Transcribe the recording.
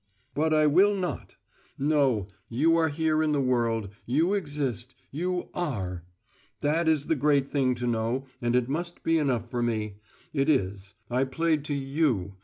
... But I will not! No. You are here in the world. You exist. You are! That is the great thing to know and it must be enough for me. It is. I played to You.